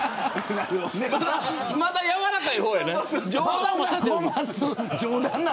まだやわらかい方やね。